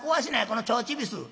この腸チビス！」。